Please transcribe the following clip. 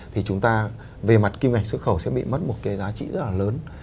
thì chúng ta về mặt kim ngạch xuất khẩu sẽ bị mất một cái giá trị rất là lớn